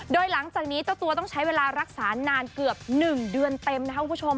โดยหลังจากนี้เจ้าตัวต้องใช้เวลารักษานานเกือบ๑เดือนเต็มนะครับคุณผู้ชม